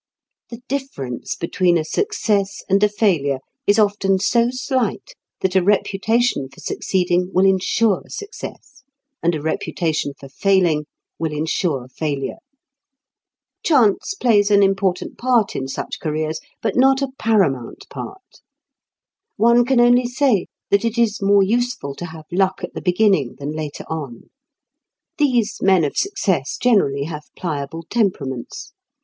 The difference between a success and a failure is often so slight that a reputation for succeeding will ensure success, and a reputation for failing will ensure failure. Chance plays an important part in such careers, but not a paramount part. One can only say that it is more useful to have luck at the beginning than later on. These "men of success" generally have pliable temperaments.